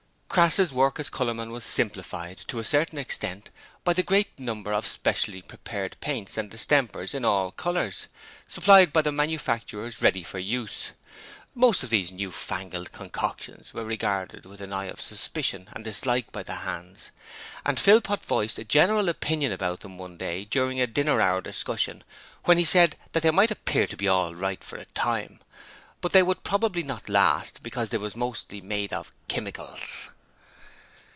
Crass's work as colourman was simplified, to a certain extent, by the great number of specially prepared paints and distempers in all colours, supplied by the manufacturers ready for use. Most of these new fangled concoctions were regarded with an eye of suspicion and dislike by the hands, and Philpot voiced the general opinion about them one day during a dinner hour discussion when he said they might appear to be all right for a time, but they would probably not last, because they was mostly made of kimicles.